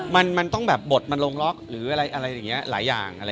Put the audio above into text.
มันต้องแบบบทมันบ่ทหรืออะไรอย่าง